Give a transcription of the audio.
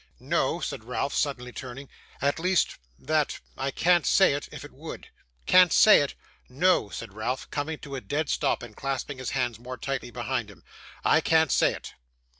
'No,' said Ralph, suddenly turning; 'at least that I can't say it, if it would.' 'Can't say it!' 'No,' said Ralph, coming to a dead stop, and clasping his hands more tightly behind him. 'I can't say it.